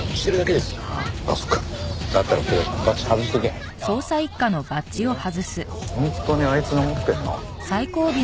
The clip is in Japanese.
で本当にあいつが持ってんの？